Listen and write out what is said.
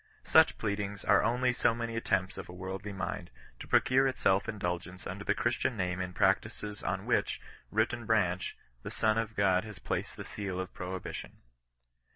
Such pleadings are only so many attempts of a worldly mind, to procure itself indulgence under the Christian name in practices on which, root and branch, the Son of God has placed the seal of prohibition.